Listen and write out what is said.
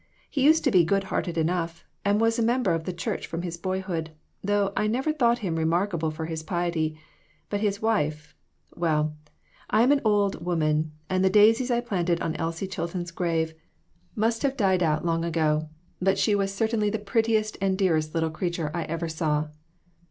He used to be good hearted enough, and was a member of the church from his boyhood, though I never thought him remarkable for his piety. But his wife well, I'm an old woman, and the daisies I planted on Elsie Chilton's grave must have died out long CHARACTER STUDIES. 211 ago. But she was certainly the prettiest and dearest little creature I ever saw.'